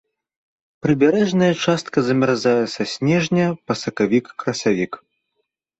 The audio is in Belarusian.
Прыбярэжная частка замярзае са снежня па сакавік-красавік.